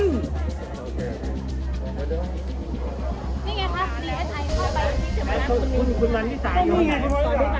นี่ไงครับ